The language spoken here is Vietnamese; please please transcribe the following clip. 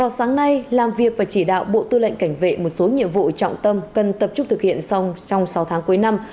sáng nay làm việc và chỉ đạo bộ tư lệnh cảnh vệ một số nhiệm vụ trọng tâm cần tập trung thực hiện xong trong sáu tháng cuối năm